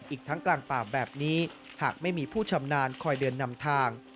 อีกทั้งกลางป่าแบบนี้หากไม่มีผู้ชำนาญคอยเดินนำทาง